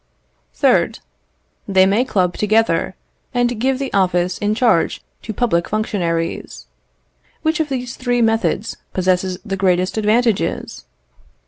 3rd. They may club together, and give the office in charge to public functionaries. Which of these three methods possesses the greatest advantages?